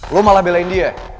lo malah belain dia